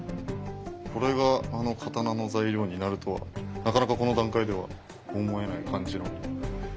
これがあの刀の材料になるとはなかなかこの段階では思えない感じの。